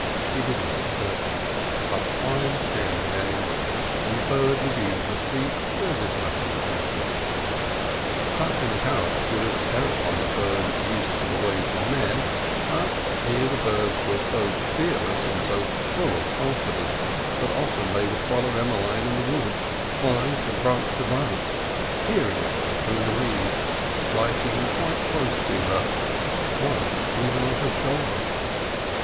He did not disturb them, but climbed down again, and the bird resumed her seat as if nothing had happened. Such an occurrence would have terrified a bird used to the ways of men, but here the birds were so fearless and so full of confidence that often they would follow Emmeline in the wood, flying from branch to branch, peering at her through the leaves, lighting quite close to her—once, even, on her shoulder.